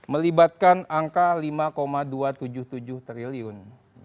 melibatkan angka lima dua ratus tujuh puluh tujuh triliun